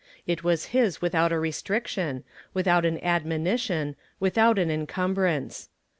It was his without a restriction, without an admonition, without an incumbrance.